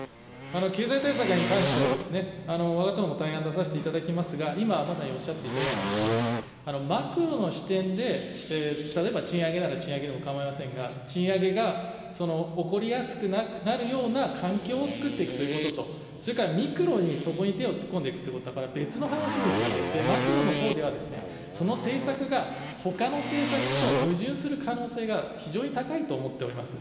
経済対策に関しては、わが党も対案出させていただきますが、今まさにおっしゃっていたような、マクロの視点で例えば、賃上げなら賃上げでもかまいませんが、賃上げが起こりやすくなるような環境をつくっていくということと、それからミクロに、そこに手を突っ込んでいくということとは、これは別の話ですので、マクロのほうでは、その政策が、ほかの政策と矛盾する可能性が非常に高いと思っております。